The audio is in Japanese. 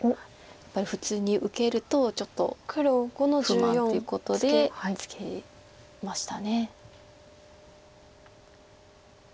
やっぱり普通に受けるとちょっと不満ということでツケました。